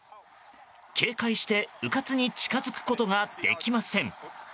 警戒して、うかつに近づくことができません。